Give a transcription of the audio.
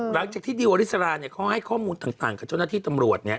หลังจากที่ดิวอริสราเนี่ยเขาให้ข้อมูลต่างกับเจ้าหน้าที่ตำรวจเนี่ย